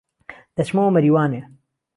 دهچمهوه مهریوانێ